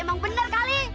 eh emang bener kali